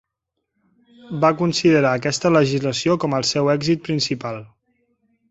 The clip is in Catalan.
Va considerar aquesta legislació com el seu èxit principal.